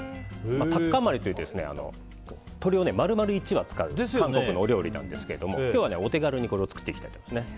タッカンマリというと鶏を丸々１羽使う韓国のお料理なんですけれども今日はお手軽にこれを作っていきたいと思います。